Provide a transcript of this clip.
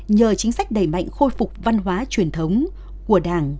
nhờ chính sách đẩy mạnh khôi phục văn hóa truyền thống của đảng